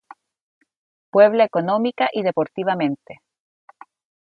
Puebla económica y deportivamente.